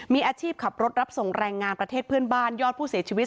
มีอาชีพขับรถรับส่งแรงงานประเทศเพื่อนบ้านยอดผู้เสียชีวิต